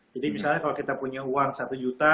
jadi misalnya kalau kita punya uang rp satu juta